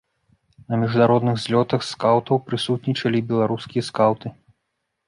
На міжнародных злётах скаўтаў прысутнічалі і беларускія скаўты.